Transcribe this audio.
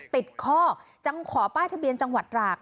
ติดข้อจังขอป้ายทะเบียนจังหวัดตราก